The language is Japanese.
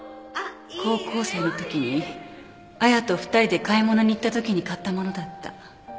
高校生のときに亜矢と２人で買い物に行ったときに買った物だった。